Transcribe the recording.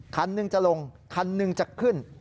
คันหนึ่งจะลงคันหนึ่งจะขึ้น